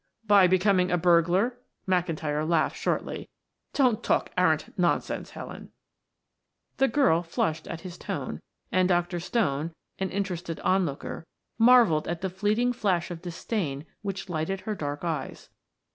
"By becoming a burglar." McIntyre laughed shortly. "Don't talk arrant nonsense, Helen." The girl flushed at his tone, and Dr. Stone, an interested onlooker, marveled at the fleeting flash of disdain which lighted her dark eyes.